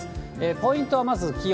ポイントはまず気温。